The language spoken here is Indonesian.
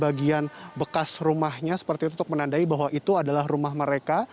bagian bekas rumahnya seperti itu untuk menandai bahwa itu adalah rumah mereka